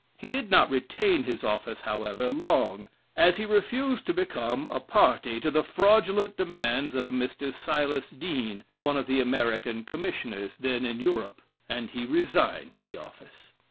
He did not retain his office, however, long, as he refused to become a party to the fraudulent demands of a Mr. Silas Deane, one of the American Commissioners, then in Europe; and he resigned the office.